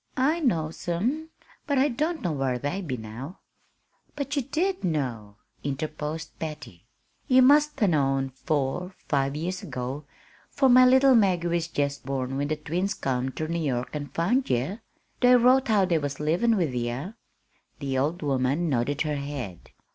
"I knows 'em, but I don't know whar they be now." "But you did know," interposed Patty. "You must 'a' known four five years ago, for my little Maggie was jest born when the twins come ter New York an' found ye. They wrote how they was livin' with ye." The old woman nodded her head.